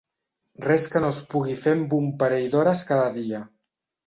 Res que no es pugui fer amb un parell d'hores cada dia.